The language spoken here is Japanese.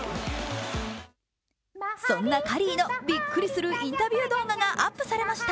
そんなカリーのびっくりするインタビュー動画がアップされました。